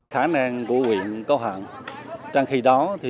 khả năng của huyện có hạn trong khi đó